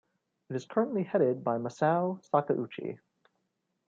It is currently headed by Masao Sakauchi.